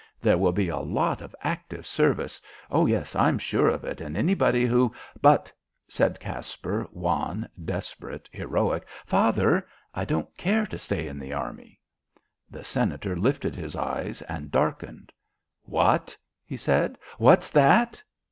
There will be a lot of active service oh, yes, I'm sure of it and everybody who " "But," said Caspar, wan, desperate, heroic, "father, I don't care to stay in the Army." The Senator lifted his eyes and darkened. "What?" he said. "What's that?"